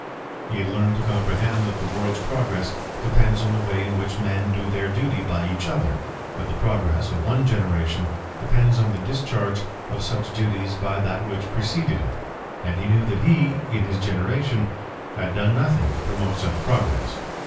He had learned to comprehend that the world's progress depends on the way in which men do their duty by each other, that the progress of one generation depends on the discharge of such duties by that which preceded it; and he knew that he, in his generation, had done nothing to promote such progress.